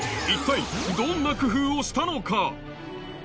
一体、どんな工夫をしたのか。